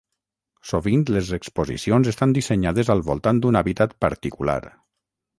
Sovint les exposicions estan dissenyades al voltant d'un hàbitat particular.